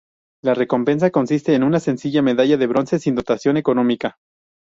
La recompensa consiste en una sencilla medalla de bronce sin dotación económica.